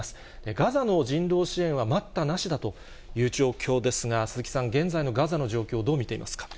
ガザの人道支援は待ったなしだという状況ですが、鈴木さん、現在のガザの状況、どう見ていますか。